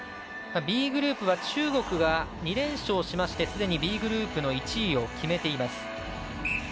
Ｂグループは中国が２連勝しましてすでにＢグループの１位を決めています。